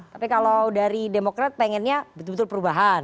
tapi kalau dari demokrat pengennya betul betul perubahan